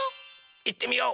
いってみよう！